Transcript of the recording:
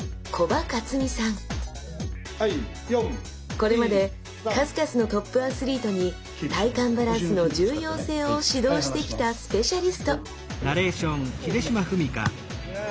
これまで数々のトップアスリートに体幹バランスの重要性を指導してきたスペシャリスト！